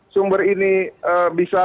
sumber ini bisa